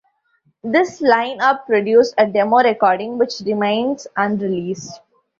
This line-up produced a demo recording which remains unreleased.